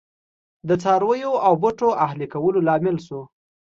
د څارویو او بوټو اهلي کولو لامل شو